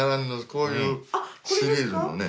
こういうシリーズのね